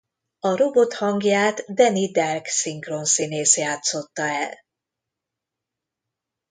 A robot hangját Denny Delk szinkronszínész játszotta el.